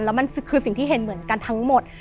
แล้วมันคือสิ่งที่เห็นเหมือนกันทั้งหมด